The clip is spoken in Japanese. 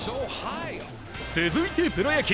続いてプロ野球。